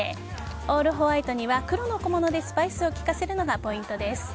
オールホワイトには黒の小物でスパイスを効かせるのがポイントです。